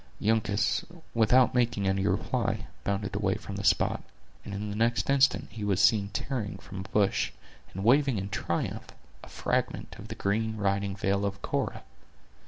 Uncas, without making any reply, bounded away from the spot, and in the next instant he was seen tearing from a bush, and waving in triumph, a fragment of the green riding veil of Cora.